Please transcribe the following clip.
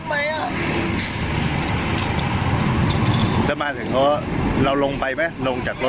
หนูจำไม่ได้อ่ะหนูออกมาจากร้านก็ปีสี่ปีห้าแล้วอ่ะ